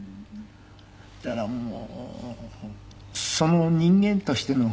だからもう人間としての。